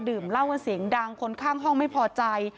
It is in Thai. ดื่มเหล้ากันเสียงดังคนข้างห้องไม่พอใจ